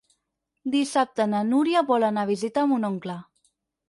Dissabte na Núria vol anar a visitar mon oncle.